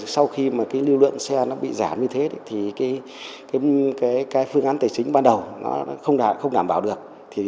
sau khi lưu lượng xe nó bị giảm như thế thì phương án tài chính ban đầu nó không đảm bảo được